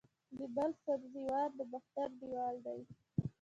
د بلخ سبزې وار د باختر دیوال دی